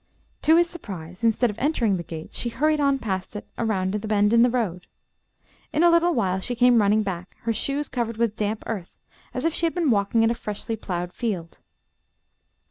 To his surprise, instead of entering the gate, she hurried on past it, around the bend in the road. In a little while she came running back, her shoes covered with damp earth, as if she had been walking in a freshly ploughed field.